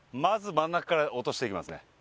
まず真ん中から落としていきますね